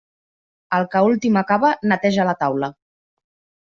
El que últim acaba, neteja la taula.